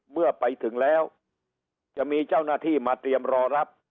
เมื่อไปถึงแล้วจะมีเจ้าหน้าที่มาเตรียมรอรับ